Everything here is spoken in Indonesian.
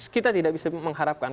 kita tidak bisa mengharapkan